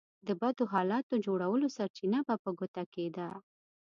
د بدو حالاتو جوړولو سرچينه به په ګوته کېده.